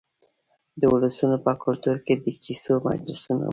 د ولسونو په کلتور کې د کیسو مجلسونه وو.